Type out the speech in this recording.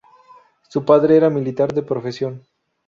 Su padre era militar de profesión.